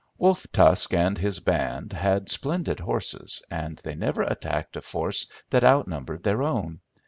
Wolf Tusk and his band had splendid horses, and they never attacked a force that outnumbered their own.